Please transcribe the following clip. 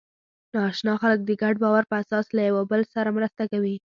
ناآشنا خلک د ګډ باور په اساس له یوه بل سره مرسته کوي.